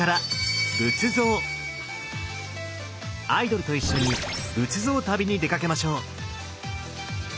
アイドルと一緒に仏像旅に出かけましょう。